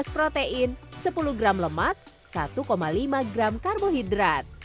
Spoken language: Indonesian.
lima belas protein sepuluh gram lemak satu lima gram karbohidrat